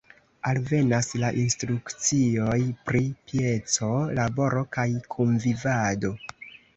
Alvenas la instrukcioj pri pieco, laboro kaj kunvivado.